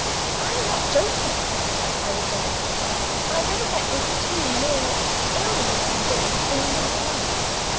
"I am not joking," I rejoined. "I never met with two more ill looking villains in my life.